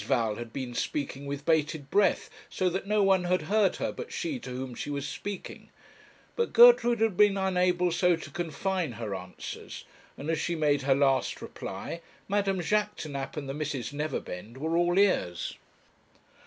Val had been speaking with bated breath, so that no one had heard her but she to whom she was speaking; but Gertrude had been unable so to confine her answers, and as she made her last reply Madame Jaquêtanàpe and the Misses Neverbend were all ears.